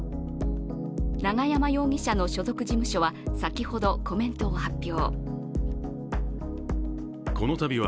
永山容疑者の所属事務所は先ほど、コメントを発表。